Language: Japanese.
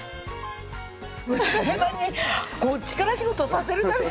村雨さんに力仕事をさせるために。